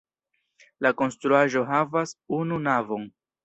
La konstruaĵo havas unu navon.